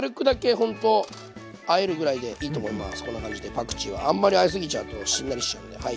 パクチーはあんまりあえすぎちゃうとしんなりしちゃうんではい。